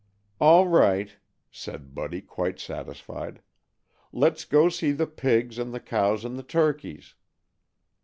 "All right," said Buddy, quite satisfied. "Let's go see the pigs, and the cows, and the turkeys."